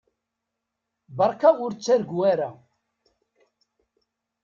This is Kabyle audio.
Beṛka ur ttargu ara.